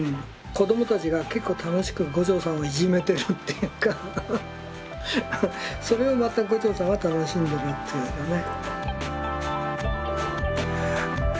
子どもたちが結構楽しく牛腸さんをいじめてるっていうかそれをまた牛腸さんは楽しんでるというのね。